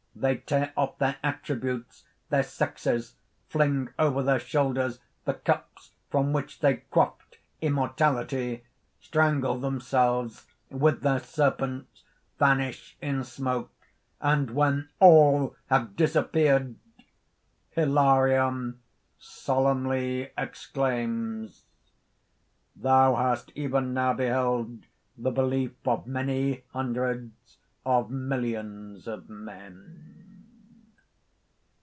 They tear off their attributes, their sexes, fling over their shoulders the cups from which they quaffed immortality, strangle themselves with their serpents, vanish in smoke; and when all have disappeared_ ...) HILARION (solemnly exclaims): "Thou hast even now beheld the belief of many hundreds of millions of men."